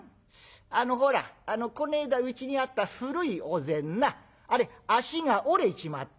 あのほらこないだうちにあった古いお膳なあれ脚が折れちまったね。